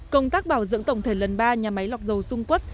công tác bảo dưỡng tổng thể lần ba nhà máy lọc dầu dung quất